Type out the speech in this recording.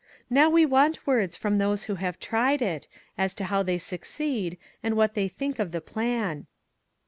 Now we want words from those who have tried it, as to how they succeed, and what they think of the plan."